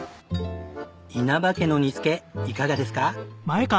稲葉家の煮付けいかがですか？